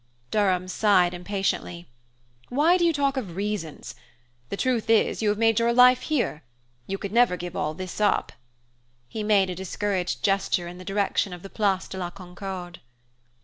Durham sighed impatiently. "Why do you talk of reasons? The truth is, you have made your life here. You could never give all this up!" He made a discouraged gesture in the direction of the Place de la Concorde.